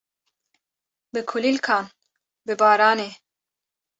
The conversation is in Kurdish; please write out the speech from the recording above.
bi kulîlkan, bi baranê.